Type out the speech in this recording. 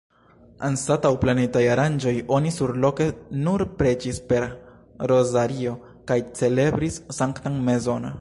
Anstataŭ planitaj aranĝoj oni surloke nur preĝis per rozario kaj celebris sanktan meson.